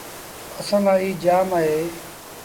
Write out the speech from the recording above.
اسآݩٚ لآ ايٚ جآم اهي۔